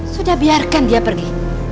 sudah biarkan dia pergi